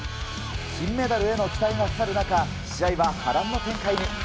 金メダルへの期待がかかる中、試合は波乱の展開に。